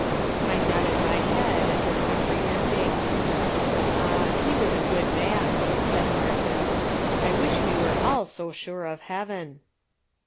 I nodded my head, as if comprehending. "Ah, he was a good man," said Martin. "I wish we were all so sure of Heaven."